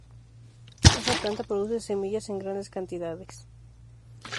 Esta planta produce semillas en grandes cantidades.